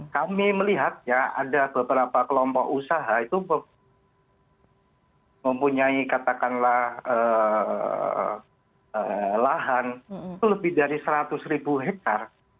kami melihat ya ada beberapa kelompok usaha itu mempunyai katakanlah lahan itu lebih dari seratus ribu hektare